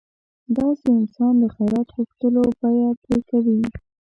داسې انسان د خیرات غوښتلو بیه پرې کوي.